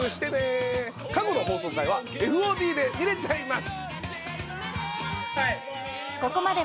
過去の放送回はＦＯＤで見れちゃいます。